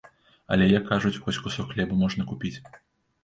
Але, як кажуць, хоць кусок хлеба можна купіць.